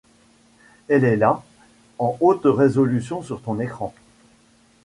Elle est là, en haute résolution sur ton écran.